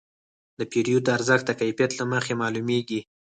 د پیرود ارزښت د کیفیت له مخې معلومېږي.